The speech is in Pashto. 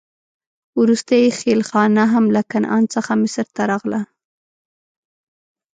وروسته یې خېلخانه هم له کنعان څخه مصر ته راغله.